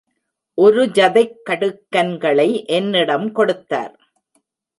ஒரு ஜதைக் கடுக்கன்களை என்னிடம் கொடுத்தார்.